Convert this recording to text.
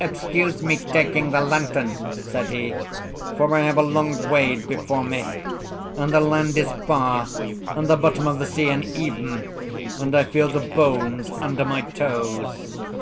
"Excuse me taking the lantern," said he; "for I have a long wade before me, and the land is far, and the bottom of the sea uneven, and I feel the bones under my toes."